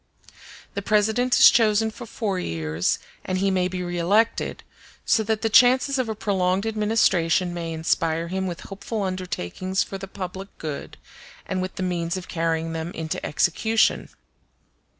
The President is chosen for four years, and he may be reelected; so that the chances of a prolonged administration may inspire him with hopeful undertakings for the public good, and with the means of carrying them into execution.